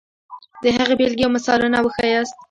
د هغې بېلګې او مثالونه وښیاست.